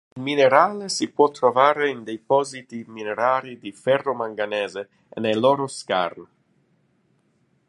Il minerale si può trovare in depositi minerari di ferro-manganese e nei loro skarn.